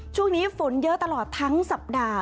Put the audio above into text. ช่วงนี้ฝนเยอะตลอดทั้งสัปดาห์